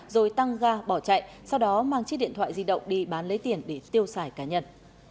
rồi tăng ga bỏ chạy sau đó mang chiếc điện thoại di động đi bán lấy tiền để tiêu xài cá nhân